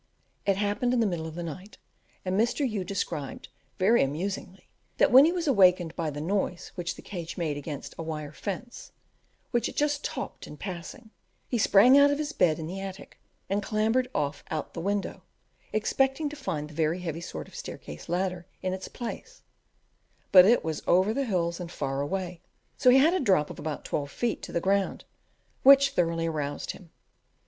It happened in the middle of the night, and Mr. U described, very amusingly, that when he was awakened by the noise which the cage made against a wire fence (which it just "topped" in passing), he sprang out of his bed in the attic, and clambered out of the window, expecting to find the very heavy sort of staircase ladder in its place; but it was "over the hills and far away," so he had a drop of about twelve feet to the ground, which thoroughly aroused him.